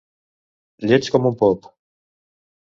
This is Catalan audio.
Lleig com un pop.